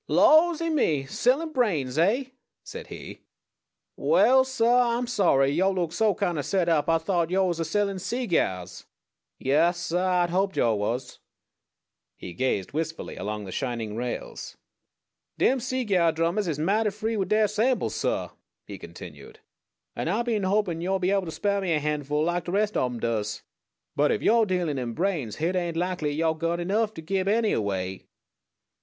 "Lawsy me! Sellin' brains, eh?" said he. "Waal, suh, Ah'm sorry. Yo' look so kind o' set up Ah thought yo' was a sellin' seegyars. Yaas, suh Ah'd hoped yo' was." He gazed wistfully along the shining rails. "Dem seegyar drummahs is mighty free wid deir samples, suh," he continued, "and Ah been a hopin' yo'd be able to spar' me a han'ful like de res' ob 'em does. But ef yo're dealin' in brains, hit ain't likely yo' got enough to gib any away."